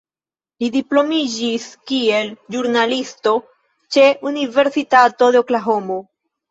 Li diplomiĝis kiel ĵurnalisto ĉe Universitato de Oklahomo.